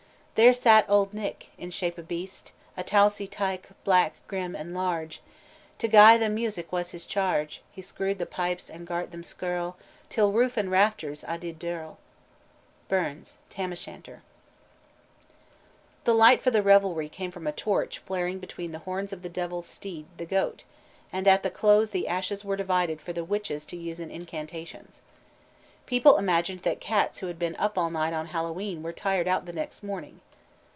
"There sat Auld Nick, in shape o' beast; A tousie tyke, black, grim, and large, To gie them music was his charge: He screw'd the pipes and gart them skirl, Till roof and rafters a' did dirl." BURNS: Tam o' Shanter. Ring. The light for the revelry came from a torch flaring between the horns of the Devil's steed the goat, and at the close the ashes were divided for the witches to use in incantations. People imagined that cats who had been up all night on Hallowe'en were tired out the next morning.